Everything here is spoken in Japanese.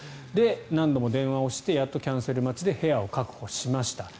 何度も電話をしてやっとキャンセル待ちで部屋を確保しました。